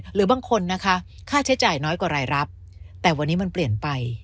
หรือบางคนนะคะค่าใช้จ่ายน้อยกว่ารายรับแต่วันนี้มันเปลี่ยนไป